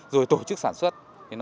rồi tổ chức sản xuất